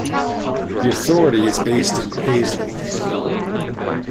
The Authority is based in Paisley.